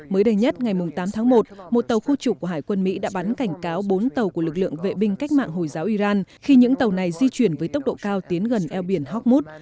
mới đây nhất ngày tám tháng một một tàu khu trục của hải quân mỹ đã bắn cảnh cáo bốn tàu của lực lượng vệ binh cách mạng hồi giáo iran khi những tàu này di chuyển với tốc độ cao tiến gần eo biển hockmut